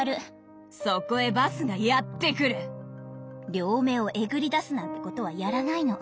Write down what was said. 両目をえぐり出すなんてことはやらないの。